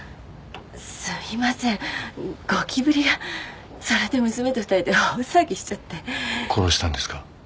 すみませんゴキブリがそれで娘と二人で大騒ぎしちゃって殺したんですか？